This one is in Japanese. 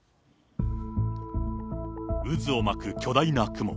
渦を巻く巨大な雲。